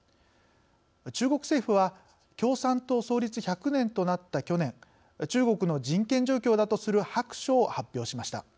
中国政府は共産党創立１００年となった去年中国の人権状況だとする白書を発表しました。